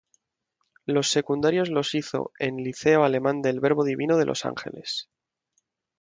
Los secundarios los hizo en Liceo Alemán del Verbo Divino de Los Ángeles.